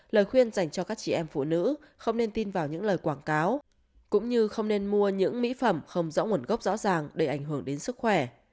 lời khuyên dành cho các chị em phụ nữ không nên tin vào những lời quảng cáo cũng như không nên mua những mỹ phẩm không rõ nguồn gốc rõ ràng để ảnh hưởng đến sức khỏe